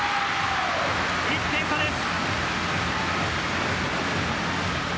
１点差です。